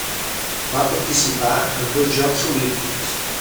Va participar en dos Jocs Olímpics.